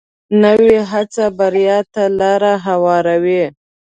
نوې هڅه بریا ته لار هواروي